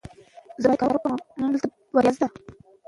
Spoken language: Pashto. د صفوي دربار چارواکي په فساد کي ډوب ول.